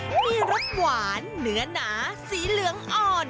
มีรสหวานเนื้อหนาสีเหลืองอ่อน